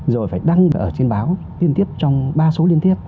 rồi phải đăng ở trên báo liên tiếp trong ba số liên tiếp